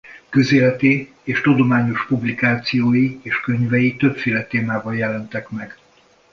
Közéleti és tudományos publikációi és könyvei többféle témában jelentek meg.